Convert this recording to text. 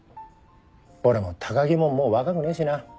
俺も高木ももう若くねえしな。